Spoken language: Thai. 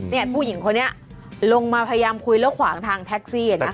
เนี่ยผู้หญิงคนนี้ลงมาพยายามคุยแล้วขวางทางแท็กซี่เห็นไหมค่ะ